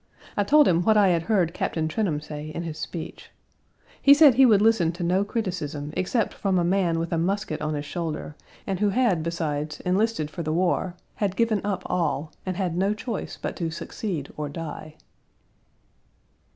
I told him what I had heard Captain Trenholm say in his speech. He said he would listen to no criticism except from a man with a musket on his shoulder, and who had beside enlisted for the war, had given up all, and had no choice but to succeed or die.